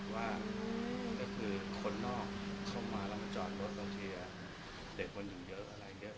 ว่าก็คือคนนอกเข้ามาแล้วมาจอดรถเราเชียร์เด็กมันอยู่เยอะอะไรอย่างนี้